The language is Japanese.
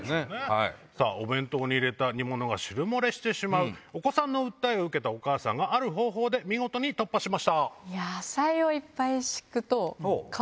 お弁当に入れた煮物が汁漏れしてしまうお子さんの訴えを受けお母さんがある方法で見事に突破しました。